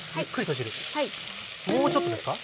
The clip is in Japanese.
もうちょっとですか？